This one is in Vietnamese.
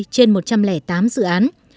bốn mươi trên một trăm linh tám dự án